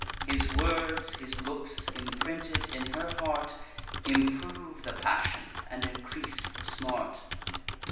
His words, his looks, imprinted in her heart, Improve the passion, and increase the smart.